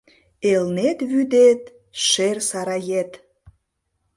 Элнет вӱдет — шер сарает